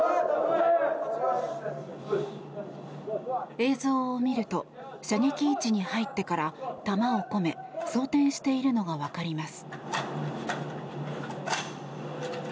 映像を見ると射撃位置に入ってから弾を込め装填しているのが分かります。